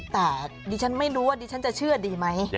แต่ดิฉันไม่รู้ว่าดิฉันจะเชื่อดีไหม